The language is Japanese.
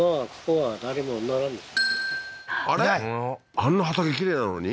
あんな畑きれいなのに？